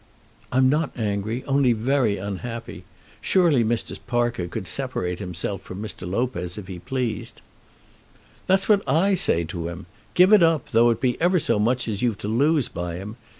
"I'm not angry; only very unhappy. Surely Mr. Parker could separate himself from Mr. Lopez if he pleased?" "That's what I say to him. Give it up, though it be ever so much as you've to lose by him.